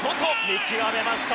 見極めました。